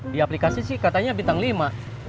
di aplikasi sih katanya bintang lima